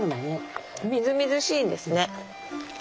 みずみずしいんですね。